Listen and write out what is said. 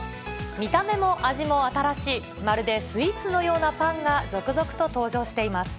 見た目も味も新しい、まるでスイーツのようなパンが続々と登場しています。